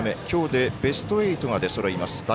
きょうでベスト８が出そろいます。